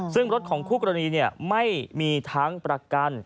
ซึ่งรถของคู่กรณีไม่มีทั้งประกัน